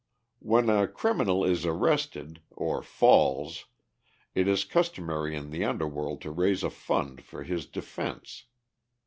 When a criminal is arrested (or "falls") it is customary in the underworld to raise a fund for his defense.